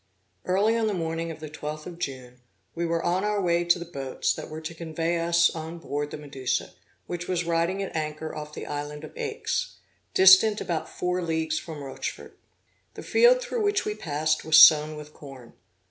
Early on the morning of the 12th of June, we were on our way to the boats that were to convey us on board the Medusa, which was riding at anchor off the island of Aix, distant about four leagues from Rochefort. The field through which we passed was sown with corn.